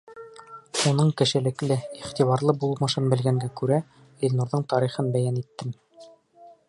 Уның кешелекле, иғтибарлы булмышын белгәнгә күрә, Илнурҙың тарихын бәйән иттем.